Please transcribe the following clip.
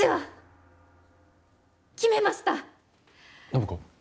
暢子？